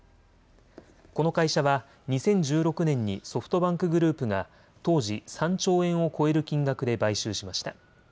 この会社は２０１６年にソフトバンクグループが当時、３兆円を超える金額で買収しました。